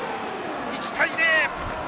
１対０。